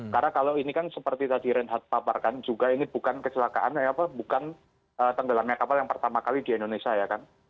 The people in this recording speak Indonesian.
karena kalau ini kan seperti tadi renhardt paparkan juga ini bukan kesilakaan bukan tenggelamnya kapal yang pertama kali di indonesia